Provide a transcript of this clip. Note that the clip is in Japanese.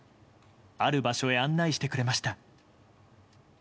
ある場所へ案内してくれました。